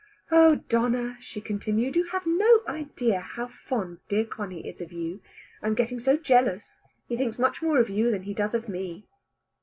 "Oh Donna," she continued, "you have no idea how fond dear Conny is of you. I am getting so jealous. He thinks much more of you than he does of me."